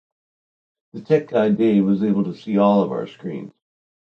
The tech guy, Dave, was able to see all of our screens.